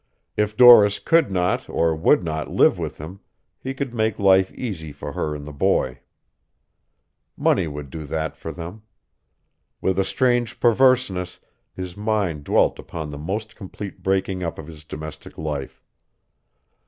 If Doris could not or would not live with him, he could make life easy for her and the boy. Money would do that for them. With a strange perverseness, his mind dwelt upon the most complete breaking up of his domestic life.